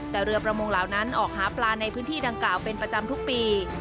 แต่เรือประมงเหล่านั้นออกหาปลาในพื้นที่ดังกล่าวเป็นประจำทุกปี